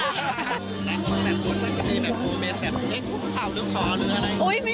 แหละคุณแทนฟนมันจะมีแหลกโอเมนเทนปุ่มเข่าแล้วขอหรืออะไร